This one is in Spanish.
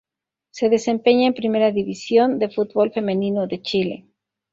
Se desempeña en Primera División de fútbol femenino de Chile.